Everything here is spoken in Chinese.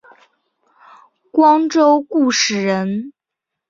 光州固始人。